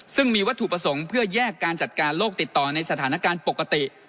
ซึ่งมีวัตถุประสงค์เพื่อแยกการจัดการโรคติดต่อในสถานการณ์ปกติ